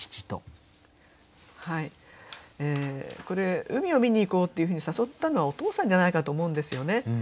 これ海を見に行こうっていうふうに誘ったのはお父さんじゃないかと思うんですよね。